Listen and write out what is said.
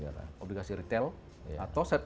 atau reksadana yang anda punya